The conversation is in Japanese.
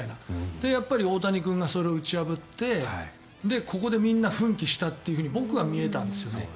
で、やっぱり大谷君がそれを打ち破ってここでみんな奮起したと僕は見えたんですよね。